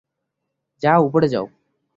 যাও, উপরে যাও।